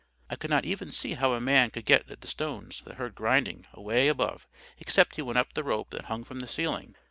I could not even see how a man could get at the stones that I heard grinding away above, except he went up the rope that hung from the ceiling.